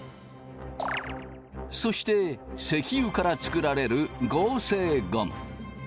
そして石油から作られる合成ゴム。